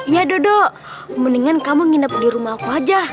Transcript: ya dodo mendingan kamu nginep di rumah aku aja